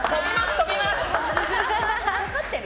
とびます！